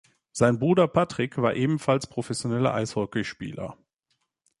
Sein Bruder Patrik war ebenfalls professioneller Eishockeyspieler.